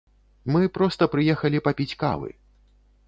Мы проста прыехалі папіць кавы!